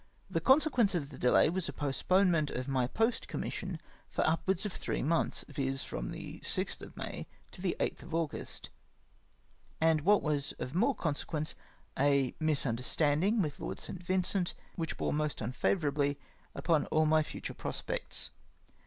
The consequence of tlie delay was a postponement of my post commission for upwards of three months, viz. from the 6th of May to the 8th of August ; and what was of more consequence, a misunderstanding with Lord St. Vincent, wdiich bore most unfavourably upon aU my future prospects.